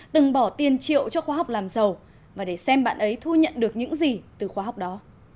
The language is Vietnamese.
từng bỏ tiền triệu cho khoa học làm giàu và để xem bạn ấy thu nhận được những gì từ khóa học đó